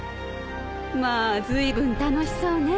まあずいぶん楽しそうね。